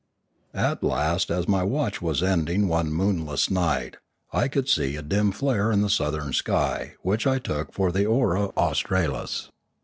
At last as my watch was ending one moonless night I could see a dim flare in the southern sky which I took for the aurora australis.